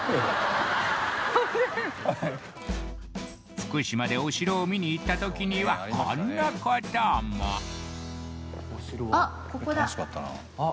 福島でお城を見に行った時にはこんなこともあっ